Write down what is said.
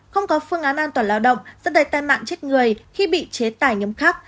không có phương án an toàn lao động sẽ đầy tai nạn chết người khi bị chế tài nhấm khắc